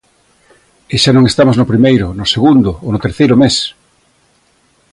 E xa non estamos no primeiro, no segundo ou no terceiro mes.